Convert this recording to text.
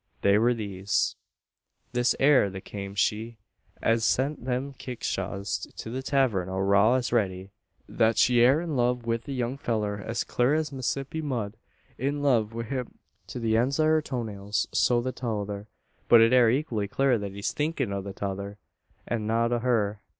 They were these: "This air the same she, as sent them kickshaws to the tavern o' Rough an Ready. Thet she air in love wi' the young fellur is clur as Massissipi mud in love wi' him to the eends o' her toe nails. So's the tother. But it air equally clur that he's thinkin' o' the tother, an not o' her.